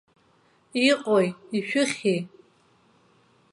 Иҟои, ишәыхьи?